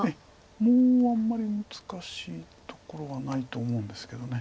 もうあんまり難しいところはないと思うんですけど。